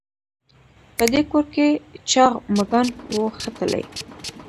په دې کور کې چاغ مږان وو ښه تلي.